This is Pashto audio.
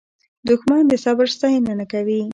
دښمن د صبر ستاینه نه کوي